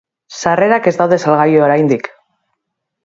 Sarrerak ez daude salgai oraindik.